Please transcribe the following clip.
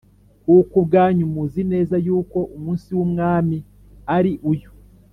kuko ubwanyu muzi neza yuko umunsi w Umwami ari uyu